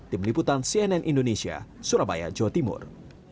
tim liputan cnn indonesia surabaya jawa timur